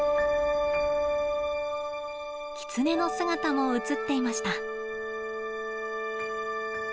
キツネの姿も映っていました。